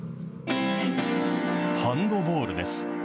ハンドボールです。